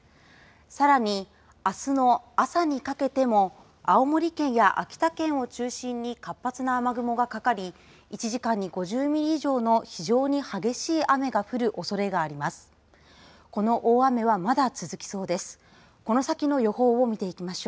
さらに、あすの朝にかけても青森県や秋田県を中心に活発な雨雲がかかり１時間に５０ミリ以上の非常に激しい雨が降るおそれがあります。